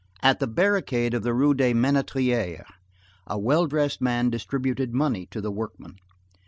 At the barricade of the Rue des Ménétriers, a well dressed man distributed money to the workmen.